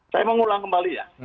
saya mau ngulang kembali ya